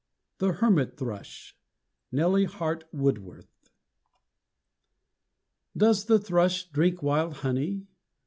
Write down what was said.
THE HERMIT THRUSH. NELLY HART WOODWORTH. Does the thrush drink wild honey?